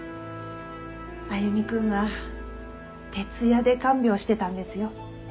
歩くんが徹夜で看病してたんですよ。